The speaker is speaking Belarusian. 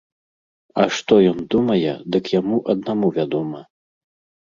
А што ён думае, дык яму аднаму вядома.